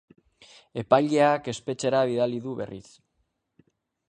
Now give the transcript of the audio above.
Epaileak espetxera bidali du berriz.